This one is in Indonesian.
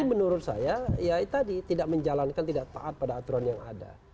tapi menurut saya ya tadi tidak menjalankan tidak taat pada aturan yang ada